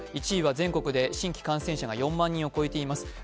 １位は全国で新規感染者が４万人を超えています。